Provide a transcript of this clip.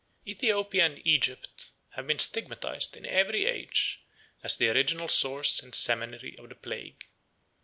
Aethiopia and Egypt have been stigmatized, in every age, as the original source and seminary of the plague.